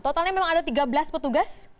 totalnya memang ada tiga belas petugas